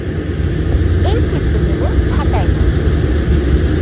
এই চিত্র কেবল ঢাকায় নয়।